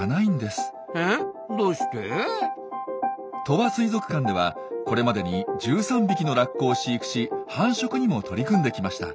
鳥羽水族館ではこれまでに１３匹のラッコを飼育し繁殖にも取り組んできました。